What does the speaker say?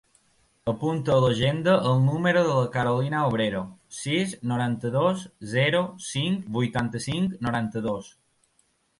Apunta a l'agenda el número de la Carolina Obrero: sis, noranta-dos, zero, cinc, vuitanta-cinc, noranta-dos.